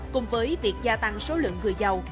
cùng với việc gia tăng số lượng người giàu